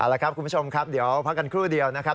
แล้วครับคุณผู้ชมครับเดี๋ยวพักกันครู่เดียวนะครับ